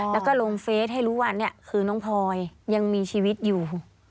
แล้วก็ลงเฟสให้รู้ว่านี่คือน้องพลอยยังมีชีวิตอยู่